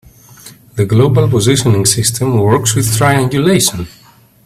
The global positioning system works with triangulation.